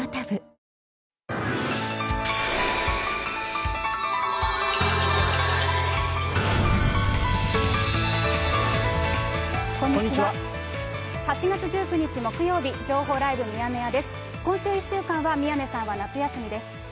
今週１週間は宮根さんは夏休みです。